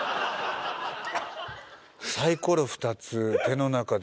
「サイコロふたつ手の中で」